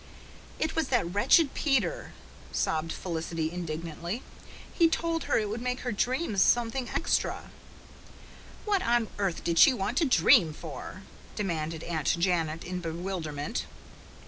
"It was that wretched Peter," sobbed Felicity indignantly. "He told her it would make her dream something extra." "What on earth did she want to dream for?" demanded Aunt Janet in bewilderment.